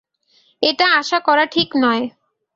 এটা আশা করা ঠিক নয়।